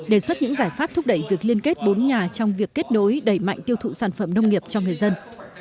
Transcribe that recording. đề xuất những giải pháp thúc đẩy việc liên kết bốn nhà trong việc kết nối đẩy mạnh tiêu thụ sản phẩm nông nghiệp cho người dân